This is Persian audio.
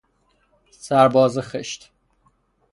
سرباز خشت